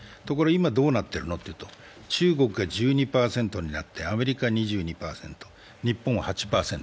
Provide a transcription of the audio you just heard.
ところが今どうなっているのというと、中国が１２％になってアメリカは２２％、日本は８％。